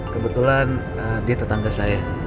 kebetulan dia tetangga saya